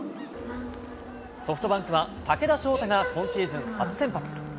ソフトバンクは、武田翔太が今シーズン初先発。